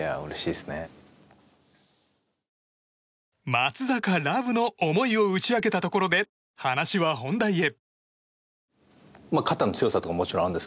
松坂ラブの思いを打ち明けたところで話は本題へ。